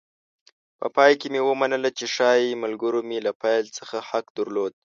په پای کې مې ومنله چې ښایي ملګرو مې له پیل څخه حق درلود.